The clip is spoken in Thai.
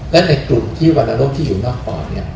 เนี่ยในกลุ่มที่วันโรคที่อยู่นอกปำเนี่ย